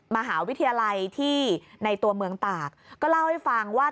มหาวิทยาลัยที่ในตัวเมืองตากก็เล่าให้ฟังว่า